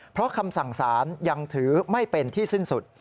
เพราะคำสั่งสารยังถือไม่เป็นที่สิ้นสุด